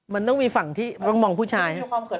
มันต้องมีฝั่งที่ต้องมองผู้ชาย